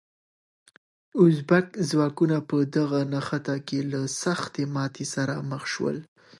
ازبک ځواکونه په دغه نښته کې له سختې ماتې سره مخ شول.